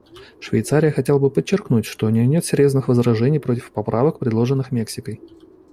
Швейцария хотела бы подчеркнуть, что у нее нет серьезных возражений против поправок, предложенных Мексикой.